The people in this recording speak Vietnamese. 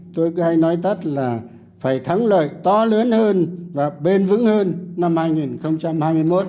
tôi cứ hay nói tắt là phải thắng lợi to lớn hơn và bền vững hơn năm hai nghìn hai mươi một